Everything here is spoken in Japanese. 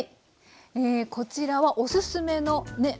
えこちらはおすすめのね